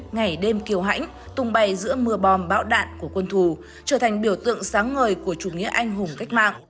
ngày đêm kiều hãnh tung bay giữa mưa bom bão đạn của quân thù trở thành biểu tượng sáng ngời của chủ nghĩa anh hùng cách mạng